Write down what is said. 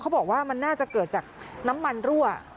บอกว่ามันน่าจะเกิดจากน้ำมันรั่ว